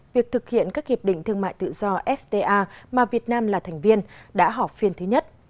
việc thực hiện các hiệp định thương mại tự do fta mà việt nam là thành viên đã họp phiên thứ nhất